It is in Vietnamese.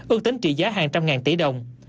ước tính trị giá hàng trăm ngàn tỷ đồng